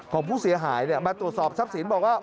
ของผู้เสียหายมาตรวจสอบทรัพย์สินบอกว่า